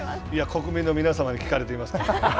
国民の皆様に聞かれていますからね。